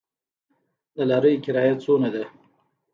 د لاریو کرایه څومره ده؟